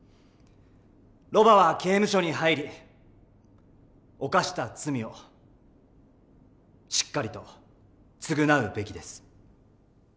ロバは刑務所に入り犯した罪をしっかりと償うべきです。